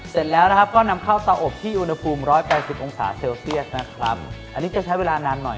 เสร็จแล้วเรียบร้อยนะครับเรามาจัดใส่ชามแล้วก็รออบเลย